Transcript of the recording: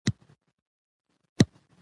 افغانستان د چار مغز له امله شهرت لري.